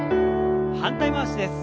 反対回しです。